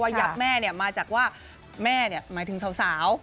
ยับแม่มาจากว่าแม่หมายถึงสาว